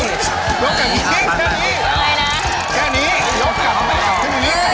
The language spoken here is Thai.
อ๋อที่เหมือนกันนี้เออยกตรงนี้เออยกตรงนั้น